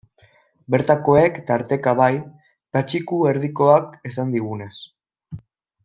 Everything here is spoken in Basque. Bertakoek, tarteka, bai, Patxiku Erdikoak esan digunez.